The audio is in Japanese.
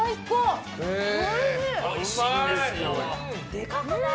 でかくない？